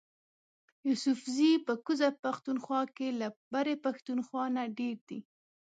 یوسفزي په کوزه پښتونخوا کی له برۍ پښتونخوا نه ډیر دي